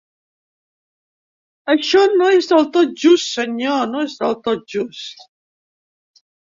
Això no és del tot just senyor, no és del tot just!